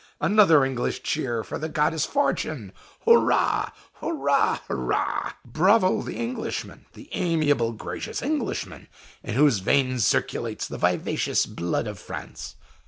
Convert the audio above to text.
Another English cheer for the goddess Fortune! Hurrah! hurrah! hurrah! "Bravo! the Englishman; the amiable, gracious Englishman, in whose veins circulates the vivacious blood of France!